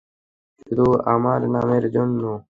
শুধু আমার নামের জন্য,।